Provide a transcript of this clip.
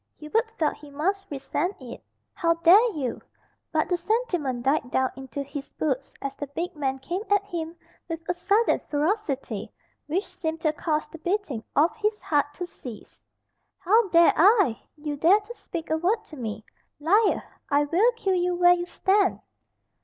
Hubert felt he must resent it. "How dare you " But the sentiment died down into his boots as the big man came at him with a sudden ferocity which seemed to cause the beating of his heart to cease. "How dare I! You dare to speak a word to me. Liar! I will kill you where you stand."